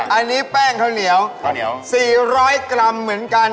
อันนี้แป้งข้าวเหนียว๔๐๐กรัมเหมือนกัน